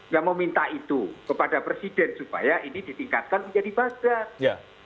yang meminta itu kepada presiden supaya ini ditingkatkan menjadi badan